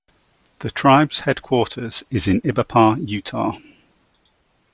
The tribe's headquarters is in Ibapah, Utah.